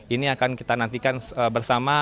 ini akan kita nantikan bersama